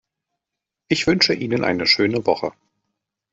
Ich wünsche Ihnen eine schöne Woche.